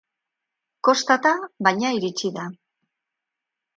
Kostata, baina iritsi da.